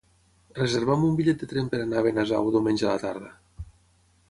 Reserva'm un bitllet de tren per anar a Benasau diumenge a la tarda.